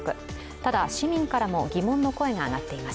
ただ、市民からも疑問の声が上がっています。